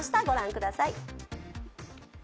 ご覧ください。